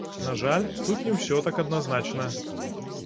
На жаль, тут не ўсё так адназначна.